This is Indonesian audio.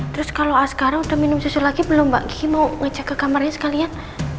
terus kalau sekarang udah minum susu lagi belum mbak gigi mau ngecek ke kamarnya sekalian